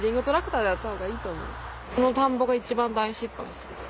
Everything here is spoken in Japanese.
この田んぼが一番大失敗です。